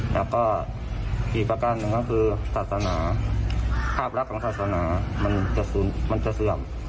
แล้วก็อีกประการหนึ่งก็คือศาสนาภาพลักษณ์ของศาสนามันจะเสื่อม